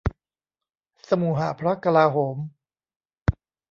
สมุหพระกลาโหม